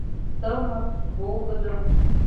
Тымык, волгыдо